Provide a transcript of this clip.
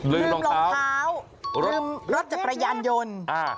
ลืมรองเท้าลืมรถจักรยานยนต์